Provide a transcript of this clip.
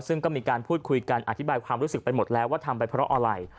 ซึ่งก็มีการพูดคุยกันอธิบายความรู้สึกไปหมดแล้วว่าทำไปเพราะอะไร